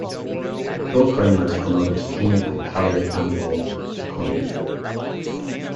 Phil Kramer is promoted to King and Kalia Campbell to Queen.